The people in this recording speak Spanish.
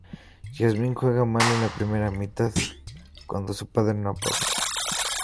Jasmine juega mal en la primera mitad, cuando su padre no aparece.